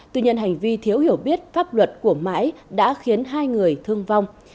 tuy nhiên hành vi thiếu hiểu biết pháp luật của mãi đã khiến hai người thương vong